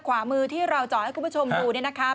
ขวามือที่เราจอดให้คุณผู้ชมดู